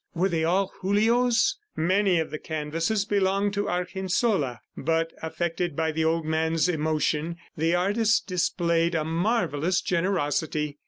Were they all Julio's? ... Many of the canvases belonged to Argensola, but affected by the old man's emotion, the artist displayed a marvellous generosity.